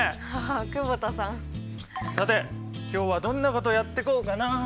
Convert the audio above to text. さて今日はどんなことやってこうかなあ？